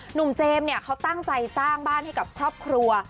เจมส์เนี่ยเขาตั้งใจสร้างบ้านให้กับครอบครัว